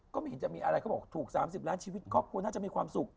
ก็ไม่เห็นจะมีอะไรเขาบอกถูก๓๐ล้านชีวิตครอบครัวน่าจะมีความสุข